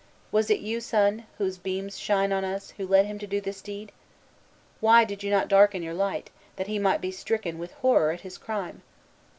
Was it you, Sun, whose beams shine on us, who led him to do this deed? Why did you not darken your light, that he might be stricken with horror at his crime?